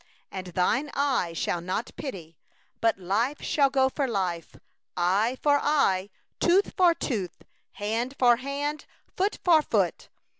21And thine eye shall not pity: life for life, eye for eye, tooth for tooth, hand for hand, foot for foot.